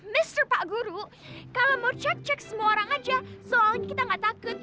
justru pak guru kalau mau cek cek semua orang aja soalnya kita gak takut